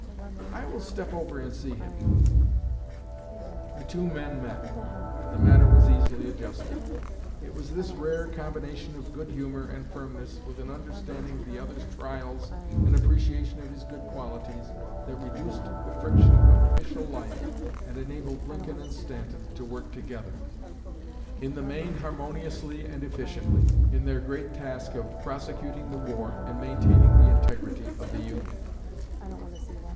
I will step over and see him.'" The two men met, and the matter was easily adjusted. It was this rare combination of good humor and firmness with an understanding of the other's trials and appreciation of his good qualities, that reduced the friction of official life and enabled Lincoln and Stanton to work together, in the main harmoniously and efficiently, in their great task of prosecuting the war and maintaining the integrity of the Union.